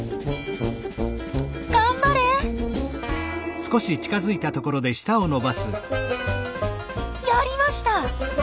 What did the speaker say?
頑張れ！やりました！